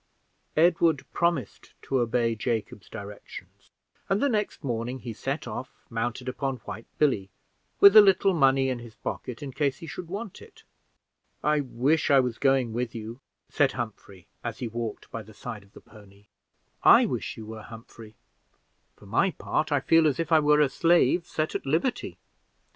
Edward promised to obey Jacob's directions, and the next morning he set off, mounted upon White Billy, with a little money in his pocket in case he should want it. "I wish I was going with you," said Humphrey, as he walked by the side of the pony. "I wish you were, Humphrey: for my part, I feel as if I were a slave set at liberty.